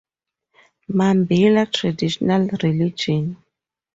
Mambila Traditional Religion.